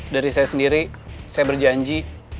dari saya sendiri saya berjanji